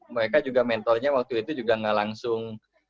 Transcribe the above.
mereka juga mentornya waktu itu juga gak langsung